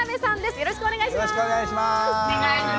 よろしくお願いします。